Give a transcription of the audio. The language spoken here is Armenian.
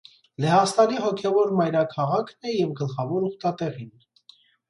Լեհաստանի հոգևոր մայրաքաղան է և գլխավոր ուխտատեղին։